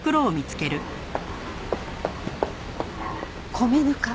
米ぬか？